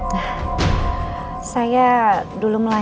bahkan nggak personal